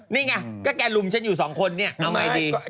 นี่ไงก็แกลุมฉันอยู่สองคนเนี่ยเอาไงดี